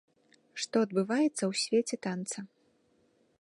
Што адбываецца ў свеце танца?